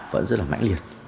vẫn rất là mãnh liệt